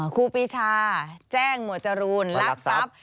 ครูปีชาแจ้งหมวดจรูนลักทรัพย์